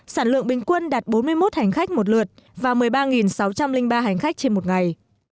sản lượng bình quân đạt bốn mươi một hành khách một lượt và một mươi ba sáu trăm linh ba hành khách trên một ngày